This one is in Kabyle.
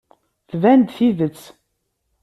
Tban-d tidet.